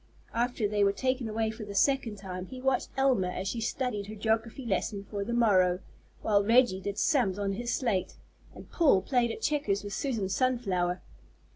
After they were taken away for the second time, he watched Elma as she studied her geography lesson for the morrow, while Reggie did sums on his slate, and Paul played at checkers with Susan Sunflower.